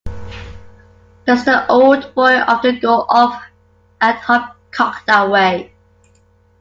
Does the old boy often go off at half-cock that way.